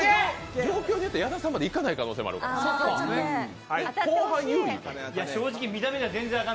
状況によっては矢田さんまで行かない可能性あるから。